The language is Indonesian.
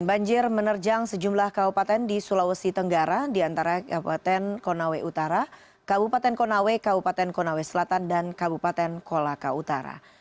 banjir menerjang sejumlah kabupaten di sulawesi tenggara di antara kabupaten konawe utara kabupaten konawe kabupaten konawe selatan dan kabupaten kolaka utara